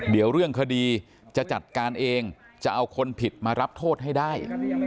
เดี๋ยวเรื่องคดีจะจัดการเองจะเอาคนผิดมารับโทษให้ได้